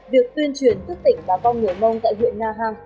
việc tuyên truyền thức tỉnh bà con người mông tại huyện nga hàng